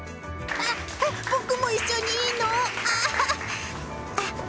僕も一緒にいいの？